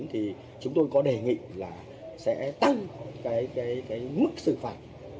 thì chúng tôi có đề nghị là sẽ tăng cái mức xử phạt